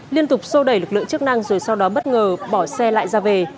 liên tục sô đẩy lực lượng chức năng rồi sau đó bất ngờ bỏ xe lại ra về